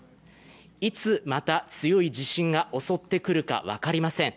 いつ、また強い地震が襲ってくるか分かりません。